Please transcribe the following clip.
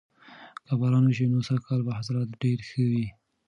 که باران وشي نو سږکال به حاصلات ډیر ښه وي.